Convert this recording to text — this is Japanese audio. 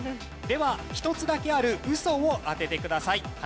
では１つだけあるウソを当ててください。